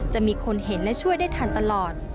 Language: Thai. จะมีคนเห็นและช่วยได้ทันตลอด